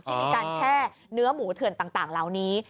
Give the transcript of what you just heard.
ที่มีการแช่เนื้อหมูเถื่อนต่างเหล่านี้